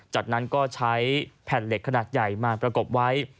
จากนั้นก็ใช้แผ่นเหล็กขนาดใหญ่มาประกบไว้